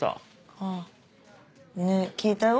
あねぇ聞いたよ